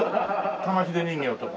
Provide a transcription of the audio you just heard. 玉ひで人形とか。